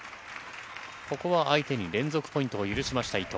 ここは相手に連続ポイントを許しました、伊藤。